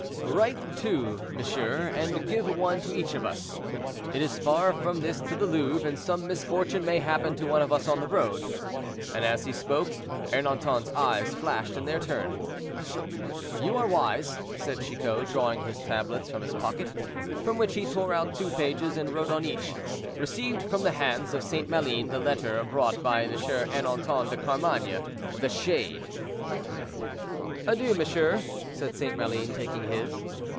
"Write two, monsieur, and give one to each of us. It is far from this to the Louvre, and some misfortune may happen to one of us on the road," and as he spoke, Ernanton's eyes flashed in their turn. "You are wise," said Chicot, drawing his tablets from his pocket, from which he tore out two pages and wrote on each, "Received from the hands of St. Maline the letter brought by M. Ernanton de Carmainges.—THE SHADE." "Adieu, monsieur," said St. Maline, taking his.